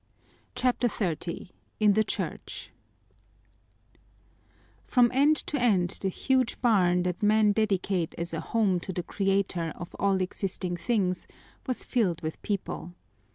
CHAPTER XXX In the Church From end to end the huge barn that men dedicate as a home to the Creator of all existing things was filled with people.